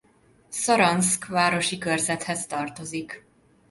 Szaranszk városi körzethez tartozik.